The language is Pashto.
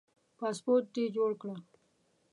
پاسپورټ دي جوړ کړه